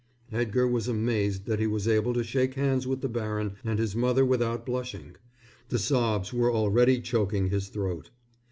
Edgar was amazed that he was able to shake hands with the baron and his mother without blushing. The sobs were already choking his throat.